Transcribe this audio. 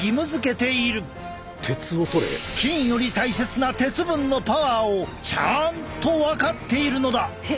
金より大切な鉄分のパワーをちゃんと分かっているのだ。